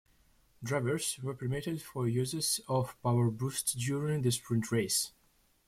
Drivers were permitted four uses of PowerBoost during the Sprint Race.